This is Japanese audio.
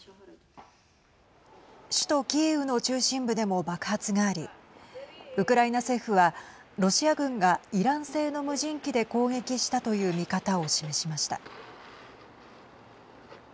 首都キーウの中心部でも爆発がありウクライナ政府はロシア軍がイラン製の無人機で攻撃したという見方を示しました。